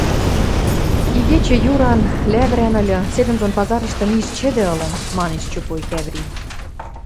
— Игечӹ юран, лявӹрӓн ыльы, седӹндон пазарышты миж чӹдӹ ылын, — манеш Чопой Кӓври.